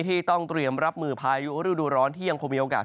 ที่ต้องเตรียมรับมือพายุฤดูร้อนที่ยังคงมีโอกาส